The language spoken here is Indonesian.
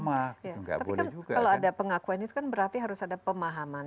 tapi kan kalau ada pengakuan itu kan berarti harus ada pemahaman